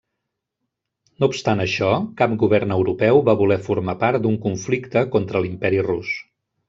No obstant això, cap govern europeu va voler formar part d'un conflicte contra l'Imperi Rus.